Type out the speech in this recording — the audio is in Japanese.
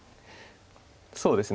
そうですね